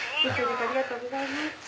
ありがとうございます。